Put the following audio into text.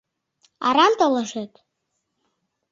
Арам толашет.